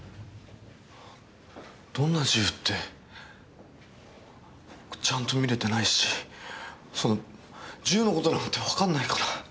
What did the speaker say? どんな銃ってちゃんと見れてないしその銃の事なんてわかんないから。